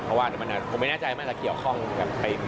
เพราะว่าผมไม่แน่ใจว่าอาจจะเกี่ยวข้องกับ